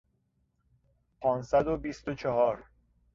پانصد و بیست و چهار